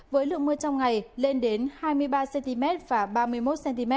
với lượng mưa trong ngày lên đến hai mươi ba cm và ba mươi một cm